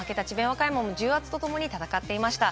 和歌山も重圧とともに戦っていました。